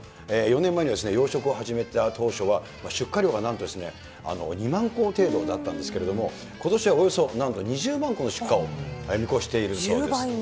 ４年前には養殖を始めた当初は、出荷量がなんとですね、２万個程度だったんですけども、ことしはおよそなんと２０万個の出荷を見越しているということで１０倍に。